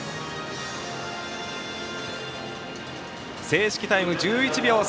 正式タイム１１秒３６。